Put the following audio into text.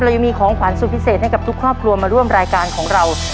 ยังมีของขวัญสุดพิเศษให้กับทุกครอบครัวมาร่วมรายการของเรา